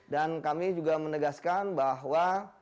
dan kami juga menegaskan bahwa